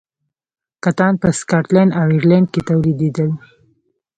کتان په سکاټلند او ایرلنډ کې تولیدېدل.